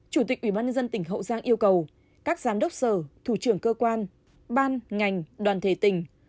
chủ tịch ubnd tỉnh hậu giang yêu cầu các giám đốc sở thủ trưởng cơ quan ban ngành đoàn thể tỉnh